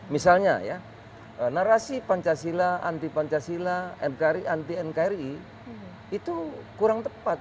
misalnya ya narasi pancasila anti pancasila anti nkri itu kurang tepat